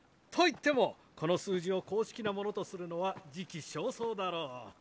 と言ってもこの数字を公式なものとするのは時期尚早だろう。